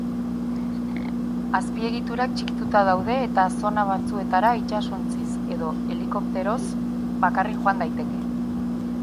Azpiegiturak txikituta daude eta zona batzuetara itsasontziz edo helikopteroz bakarrik joan daiteke.